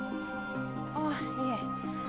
ああいえ。